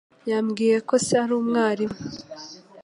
Yambwiye ko se ari umwarimu.